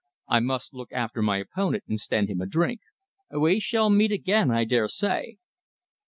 I must look after my opponent and stand him a drink. We shall meet again, I daresay."